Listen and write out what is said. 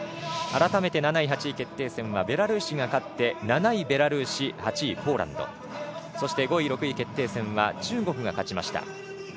改めて７位８位決定戦はベラルーシが勝って７位、ベラルーシ８位ポーランド５位６位決定戦は中国が勝ちました。